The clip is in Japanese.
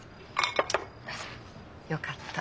よかった。